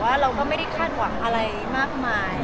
เราก็ไม่ได้คาดหวังอะไรมากมาย